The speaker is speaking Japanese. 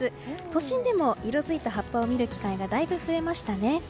都心でも色づいた葉っぱを見る機会がだいぶ増えましたね。